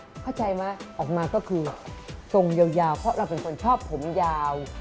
เข้าใจไหมออกมาก็คือทรงยาวเพราะเราเป็นคนชอบผมยาว